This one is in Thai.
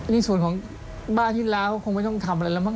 นี่ส่วนของบ้านที่เราคงไม่ต้องทำอะไรแล้วมั้ง